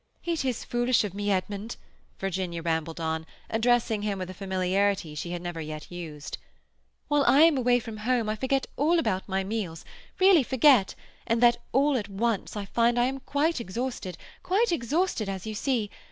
"It is so foolish of me, Edmund," Virginia rambled on, addressing him with a familiarity she had never yet used. "When I am away from home I forget all about my meals—really forget—and then all at once I find that I am quite exhausted—quite exhausted—as you see.